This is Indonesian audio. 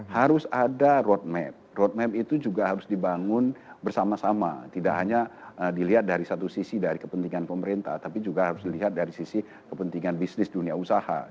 harus ada roadmap roadmap itu juga harus dibangun bersama sama tidak hanya dilihat dari satu sisi dari kepentingan pemerintah tapi juga harus dilihat dari sisi kepentingan bisnis dunia usaha